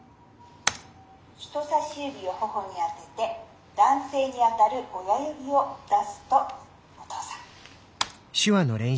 人さし指を頬に当てて男性に当たる親指を出すと「お父さん」。